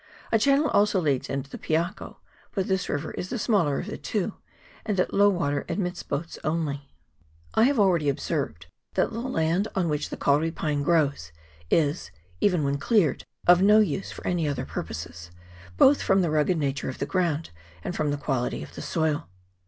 A channel also leads into the Piako, but this river is the smaller of the two, and at low water admits boats only. I have already observed that the land on which the kauri pine grows is, even when cleared, of no use for any other purposes, both from the rugged nature of the ground and from the quality of the soil.